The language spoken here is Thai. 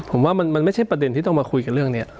ผมว่ามันไม่ใช่ประเด็นที่ต้องมาคุยกันเรื่องนี้